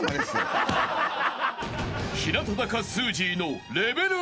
［日向坂すーじーのレベル